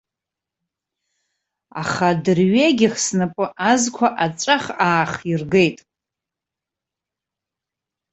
Аха адырҩегьых снапы азқәа аҵәах аахиргеит!